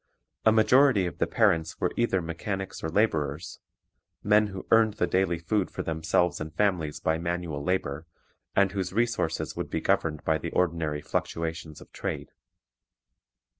A majority of the parents were either mechanics or laborers, men who earned the daily food for themselves and families by manual labor, and whose resources would be governed by the ordinary fluctuations of trade.